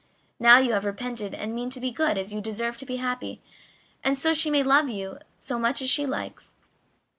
Now you have repented and mean to be good you deserve to be happy, and so she may love you as much as she likes."